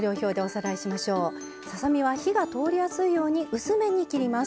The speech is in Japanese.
ささ身は火が通りやすいように薄めに切ります。